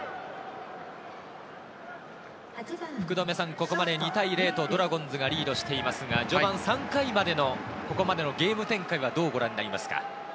ここまで２対０とドラゴンズがリードしていますが、序盤３回、ここまでのゲーム展開はどうご覧になりますか？